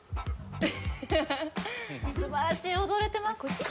素晴らしい踊れてます